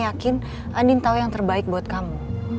saya yakin andin tau yang terbaik buat kamu